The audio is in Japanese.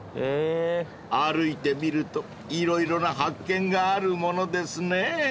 ［歩いてみると色々な発見があるものですね］